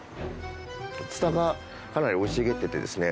ツタがかなり生い茂っててですね